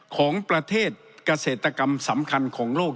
ของประเทศเกษตรกรรมสำคัญของโลก